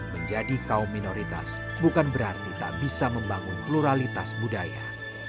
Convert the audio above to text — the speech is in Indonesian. menjadi kaum minoritas bukan berarti tak bisa membangun pluralitas budaya